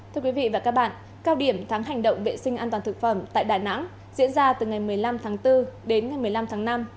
thưa quý vị và các bạn cao điểm tháng hành động vệ sinh an toàn thực phẩm tại đà nẵng diễn ra từ ngày một mươi năm tháng bốn đến ngày một mươi năm tháng năm